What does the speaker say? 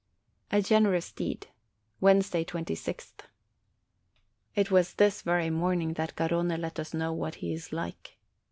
A GENEROUS DEED Wednesday, 26th. It was this very morning that Garrone let us know what he is like.